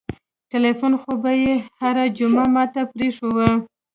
ټېلفون خو به يې هره جمعه ما ته پرېښووه.